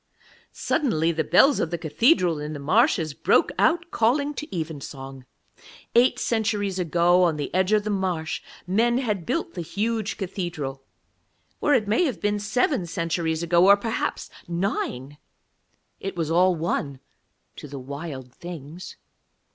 Suddenly the bells of the cathedral in the marshes broke out, calling to evensong. Eight centuries ago on the edge of the marsh men had built the huge cathedral, or it may have been seven centuries ago, or perhaps nine it was all one to the Wild Things.